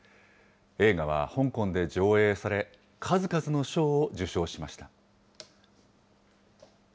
映画は香港で上映され、数々の賞を受賞しました。